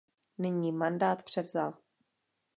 Nyní mandát převzal.